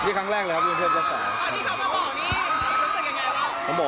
ที่ครั้งแรกเลยครับอนุญาณเพื่อนเจ้าสาว